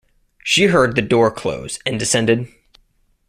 She heard the door close, and descended.